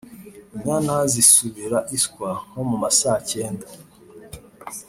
inyana zisubira iswa (nko mu masaa cyenda)